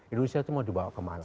indonesia itu mau dibawa ke mana